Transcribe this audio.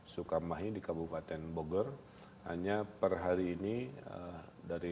saat ini bergabung dalam hal ini